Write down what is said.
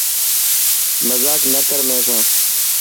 مزاڪ نه ڪر مين سان.